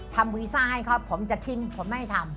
วีซ่าให้เขาผมจะทิ้มผมไม่ให้ทำ